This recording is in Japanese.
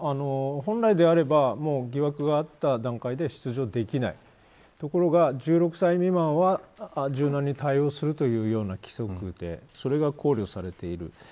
本来であれば疑惑があった段階で出場できないところが１６歳未満は柔軟に対応するというような規則でそれが考慮されている。